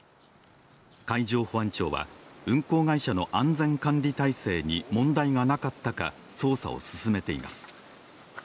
海上保安庁は運航会社の安全管理体制に問題がなかったか、捜査を進めています。